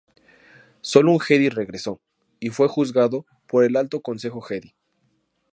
Sólo un Jedi regresó, y fue juzgado por el Alto Consejo Jedi.